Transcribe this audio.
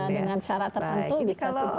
dengan syarat tertentu bisa cukup